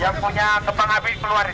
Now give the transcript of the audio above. yang punya kepang api dikeluarin